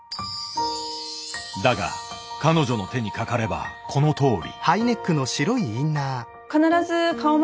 だが彼女の手にかかればこのとおり。